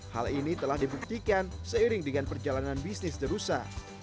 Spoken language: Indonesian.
hal ini telah dibuktikan seiring dengan perjalanan bisnis the rusa